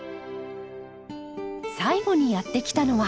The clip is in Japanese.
最後にやって来たのは。